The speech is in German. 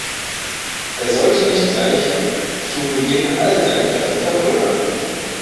Er sollte nicht gleich zu Beginn all seine Kräfte verpulvern.